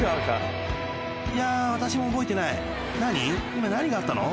今何があったの？］